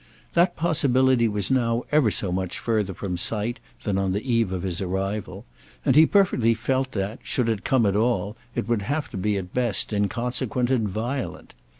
That possibility was now ever so much further from sight than on the eve of his arrival, and he perfectly felt that, should it come at all, it would have to be at best inconsequent and violent.